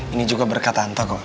ini juga berkat tante kok